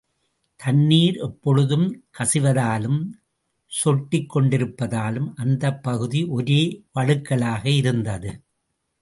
தண்ணீர் எப்பொழுதும் கசிவதாலும் சொட்டிக் கொண்டிருப்பதாலும் அந்தப் பகுதி ஒரே வழுக்கலாக இருந்தது.